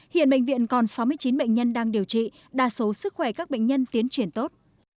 hiện bệnh viện còn sáu mươi chín bệnh nhân đang điều trị đa số sức khỏe các bệnh nhân tiến triển tốt